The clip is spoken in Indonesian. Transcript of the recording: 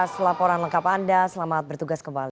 selaporan lengkap anda selamat bertugas kembali